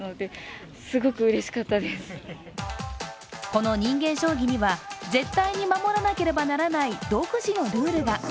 この人間将棋には絶対に守らなければならない独自のルールが。